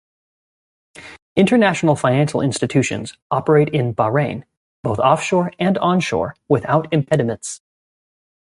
International financial institutions operate in Bahrain, both offshore and onshore, without impediments.